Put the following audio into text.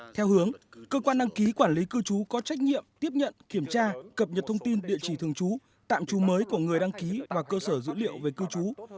theo hướng cơ quan đăng ký quản lý cư trú có trách nhiệm tiếp nhận kiểm tra cập nhật thông tin địa chỉ thường trú tạm trú mới của người đăng ký và cơ sở dữ liệu về cư trú